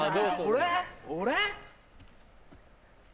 俺？